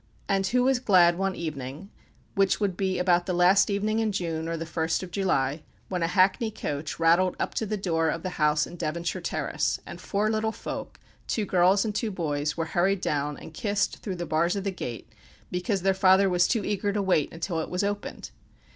And who was glad one evening which would be about the last evening in June, or the first of July when a hackney coach rattled up to the door of the house in Devonshire Terrace, and four little folk, two girls and two boys, were hurried down, and kissed through the bars of the gate, because their father was too eager to wait till it was opened?